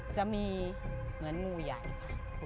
จะมีเหมือนงูใหญ่ค่ะ